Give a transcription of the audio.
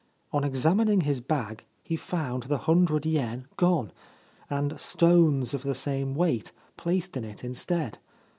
On examining his bag he found the hundred yen gone, and stones of the same weight placed in it instead.